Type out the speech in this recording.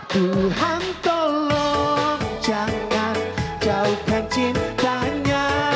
tuhan tolong jangan jauhkan cintanya